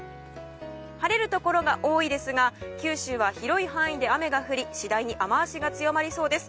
晴れるところが多いですが九州は広い範囲で雨が降り次第に雨脚が強まりそうです。